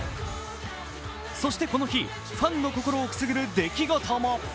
そしてこの日、ファンの心をくすぐる出来事も。